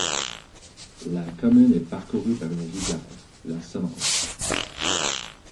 La commune est parcourue par une rivière, la Semence.